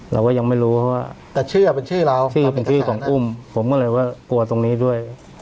เราก็ยังไม่รู้ว่าแต่ชื่อเป็นชื่อเราชื่อเป็นชื่อของอุ้มผมก็เลยว่ากลัวตรงนี้ด้วย